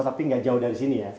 tapi nggak jauh dari sini ya